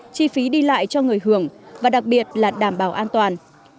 chi phí đi lại cho người hưởng và đặc biệt là đảm bảo an toàn